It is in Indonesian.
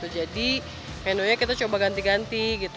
jadi menunya kita coba ganti ganti